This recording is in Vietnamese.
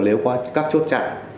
nếu có các chốt chặn